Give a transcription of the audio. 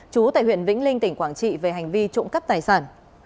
chú tại huyện vĩnh linh tỉnh quảng trị về hành vi trộm cắp tài sản